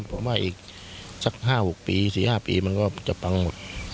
ผมว่าอีกสัก๕๖ปี๔๕ปีมันก็จะปังหมด